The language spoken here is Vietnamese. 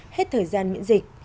hết thời gian miễn dịch